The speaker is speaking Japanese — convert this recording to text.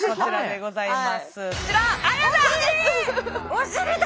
お尻だ！